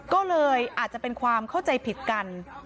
ก็เลยอาจจะเป็นความเข้าใจผิดกัน